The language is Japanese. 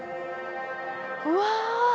うわ！